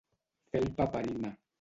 Fer el paperina.